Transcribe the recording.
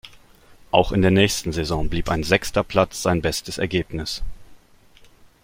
Auch in der nächsten Saison blieb ein sechster Platz sein bestes Ergebnis.